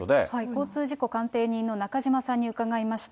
交通事故鑑定人の中島さんに伺いました。